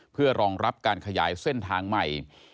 เพื่อรองรับการขยายเส้นทางใหม่